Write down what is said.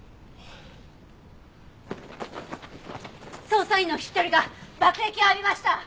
捜査員の１人が爆液を浴びました！